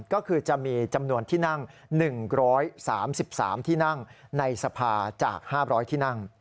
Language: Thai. ก็คือจะมีจำนวนที่นั่ง๑๓๓ที่นั่งในสภาจาก๕๐๐ที่นั่ง